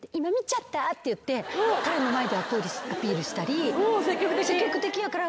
って言って彼の前でアピールしたり積極的やから。